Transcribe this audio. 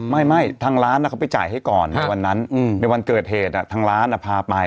ไม่ทางร้านเขาไปจ่ายให้ก่อนในวันนั้นในวันเกิดเหตุทางร้านพาไป